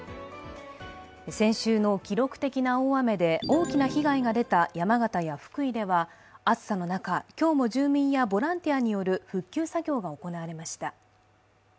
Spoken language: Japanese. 先週の記録的な大雨で大きな被害が出た山形や福井では暑さの中、今日も住民やボランティアによる復旧作業が行われました。